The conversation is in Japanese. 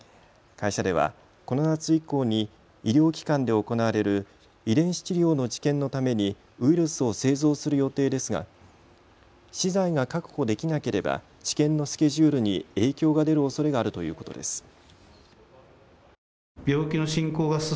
会社では、この夏以降に医療機関で行われる遺伝子治療の治験のためにウイルスを製造する予定ですが資材が確保できなければ治験のスケジュールに影響が出るおそれがあるということです。